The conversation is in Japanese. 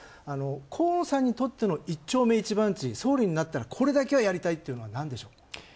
河野さんにとっての一丁目一番地、総理になったら、これだけはやりたいというのはなんでしょう？